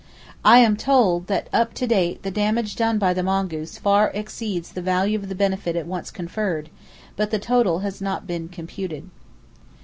I am told that up to date the damage done by the mongoose far exceeds the value of the benefit it once conferred, but the total has not been computed.